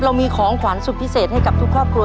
เรามีของขวัญสุดพิเศษให้กับทุกครอบครัว